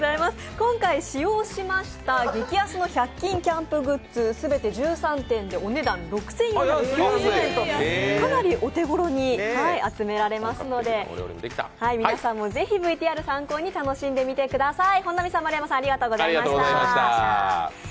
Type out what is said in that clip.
今回使用しました激安の１００均キャンプグッズ、全て１３点でお値段６４９０円と、かなりお手ごろに集められますので皆さんもぜひ、ＶＴＲを参考に楽しんでみてください。